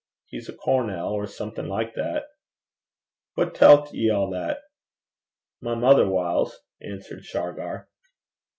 He's a cornel, or something like that.' 'Wha tellt ye a' that?' 'My mither whiles,' answered Shargar.